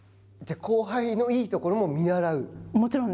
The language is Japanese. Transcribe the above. じゃあ、後輩のいいところも見習う？